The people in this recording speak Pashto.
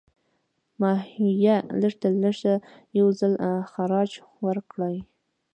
ماهویه لږترلږه یو ځل خراج ورکړی.